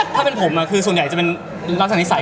ถ้าเป็นผมส่วนใหญ่อาจจะเป็นรักษณ์เอนิสัย